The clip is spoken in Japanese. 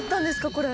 これ。